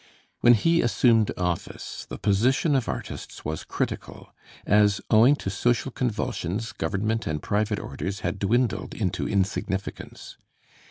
When he assumed office, the position of artists was critical; as, owing to social convulsions, government and private orders had dwindled into insignificance.